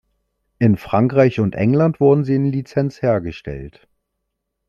In Frankreich und England wurden sie in Lizenz hergestellt.